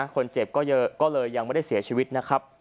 คนเจ็บก็เลยยังไม่ได้เสียชีวิตนะครับ